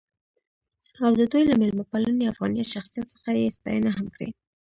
او د دوي له میلمه پالنې ،افغانيت ،شخصیت څخه يې ستاينه هم کړې.